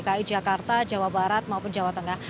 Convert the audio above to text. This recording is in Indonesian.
dki jakarta jawa barat maupun jawa tengah